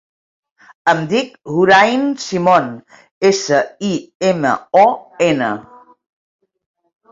Em dic Hoorain Simon: essa, i, ema, o, ena.